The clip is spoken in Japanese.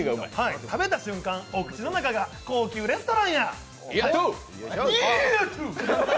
食べた瞬間、お口の中が高級レストランや！